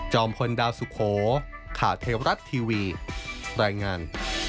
พลดาวสุโขข่าวเทวรัฐทีวีรายงาน